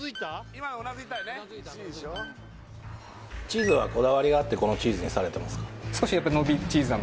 チーズはこだわりがあってこのチーズにされてますか？